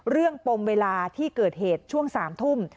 ปมเวลาที่เกิดเหตุช่วง๓ทุ่ม